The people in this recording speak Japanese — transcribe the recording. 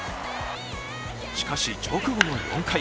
しかし、直後の４回。